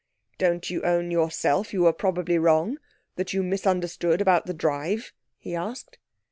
'Don't you own yourself you were probably wrong that you misunderstood about the drive?' he asked.